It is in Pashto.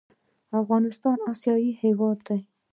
افغانستان اسیایي هېواد دی.